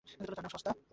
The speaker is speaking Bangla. তাঁর নাম শান্তা।